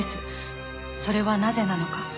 それはなぜなのか？